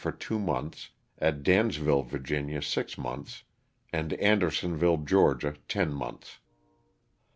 for two months, at Dansville, Va., six months, and Anderson ville, Ga., ten months.